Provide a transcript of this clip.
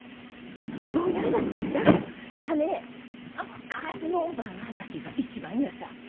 ゴーヤーだったらさ嘉数のおばぁの畑が一番ヤサ。